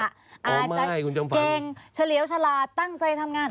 อาจจะเก่งเฉลียวฉลาดตั้งใจทำงาน